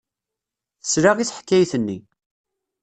Tesla i teḥkayt-nni.